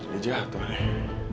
dia jatuh nih